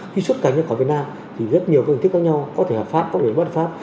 khi xuất cảnh ở việt nam thì rất nhiều các hình thức khác nhau có thể hợp pháp có thể bắt pháp